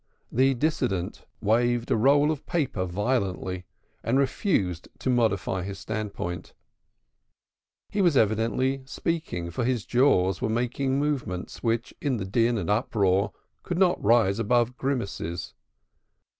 The dissentient waved a roll of paper violently and refused to modify his standpoint. He was evidently speaking, for his jaws were making movements, which in the din and uproar could not rise above grimaces.